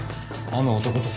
あの男さ